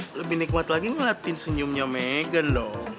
lebih nikmat lagi ngeliatin senyumnya megan dong